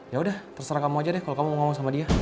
ya udah terserah kamu aja deh kalau kamu ngomong sama dia